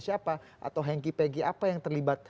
siapa atau hengki pengki apa yang terlibat